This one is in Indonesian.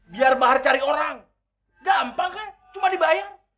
biar bahar cari orang gampang kah cuma dibayar